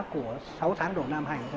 của sáu tháng đầu năm hai nghìn một mươi tám